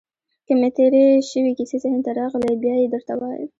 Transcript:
که مې تېرې شوې کیسې ذهن ته راغلې، بیا يې درته وایم.